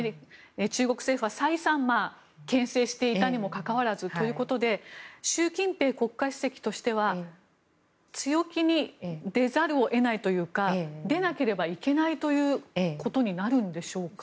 中国政府は再三けん制していたにもかかわらずということで習近平国家主席としては強気に出ざるを得ないというか出なければいけないということになるんでしょうか。